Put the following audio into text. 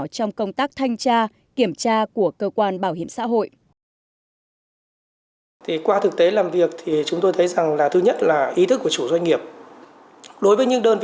trong công tác thanh tra kiểm tra của cơ quan bảo hiểm xã hội